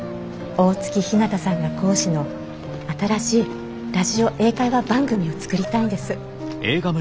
大月ひなたさんが講師の新しいラジオ英会話番組を作りたいんです。